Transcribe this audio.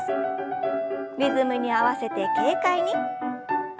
リズムに合わせて軽快に。